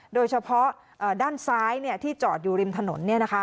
โดยเฉพาะด้านซ้ายที่จอดอยู่ริมถนน